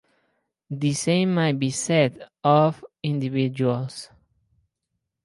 The same may be said of individuals.